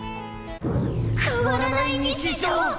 変わらない日常！